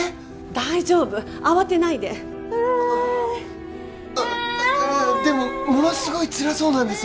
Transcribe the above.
大丈夫慌てないででもものすごいつらそうなんです